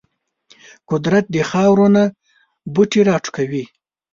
قدرت د خاورو نه بوټي راټوکوي.